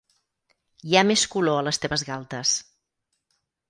Hi ha més color a les teves galtes.